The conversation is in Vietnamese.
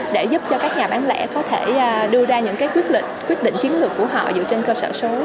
để giúp cho các nhà bán lẻ có thể đưa ra những quyết định chiến lược của họ dựa trên cơ sở số